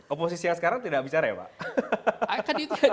oposisi yang sekarang tidak bicara ya pak